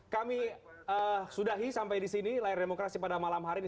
kami sudahi sampai di sini layar demokrasi pada malam hari ini